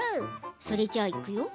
それじゃあ、いくよ！